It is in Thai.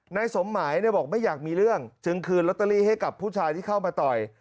นายสมหมายบอกไม่อยากมีเรื่องจึงคืนลอตเตอรี่ให้กับผู้ชายที่เข้ามาต่อย